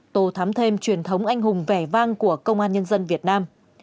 tô thám thêm truyền thống anh hùng vẻ vang của công an nhân dân việt nam